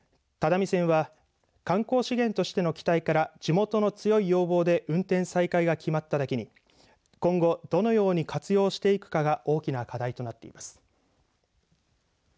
只見線は観光資源としての期待から地元の強い要望で運転再開が決まっただけに今後どのように活用していくかが大きな課題となっています。